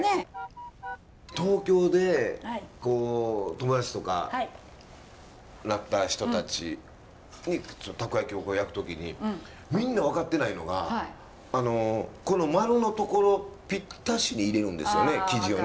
東京で友達とかなった人たちにたこ焼きを焼く時にみんな分かってないのがこの丸のところぴったしに入れるんですよね生地をね。